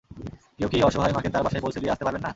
কেউ কি এই অসহায় মাকে তার বাসায় পৌঁছে দিয়ে আসতে পারবেন না?